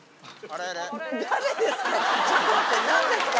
あれ？